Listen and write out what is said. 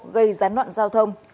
gây gián đoạn giao thông